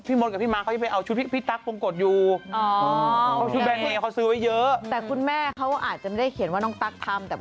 พี่มดกับพี่มาร์ค